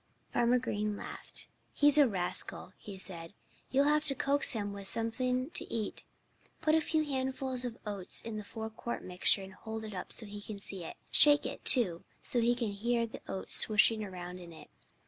Farmer Green laughed. "He's a rascal," he said. "You'll have to coax him with something to eat. Put a few handfuls of oats in the four quart measure and hold it up so he can see it. Shake it, too, so he can hear the oats swishing around in it.